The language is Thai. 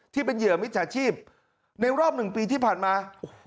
เหยื่อมิจฉาชีพในรอบ๑ปีที่ผ่านมา